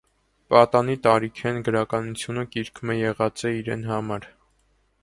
Պատանի տարիքէն՝ գրականութիւնը կիրք մը եղած է իրեն համար։